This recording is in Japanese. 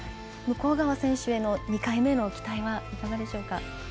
向川選手への２回目の期待はいかがでしょうか。